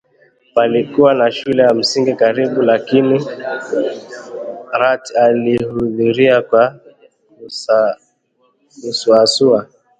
Palikuwa na shule ya msingi karibu lakini Ratty alihudhuria kwa kusuasua